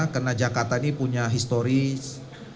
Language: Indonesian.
karena jakarta ini punya historis